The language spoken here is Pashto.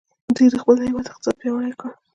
دوی د خپل هیواد اقتصاد پیاوړی کړ.